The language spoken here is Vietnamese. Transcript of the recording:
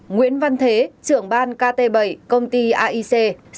một nguyễn văn thế trưởng ban kt bảy công ty aic